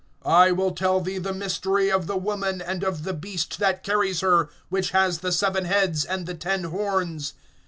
I will tell thee the mystery of the woman, and of the beast that carries her, which has the seven heads and the ten horns.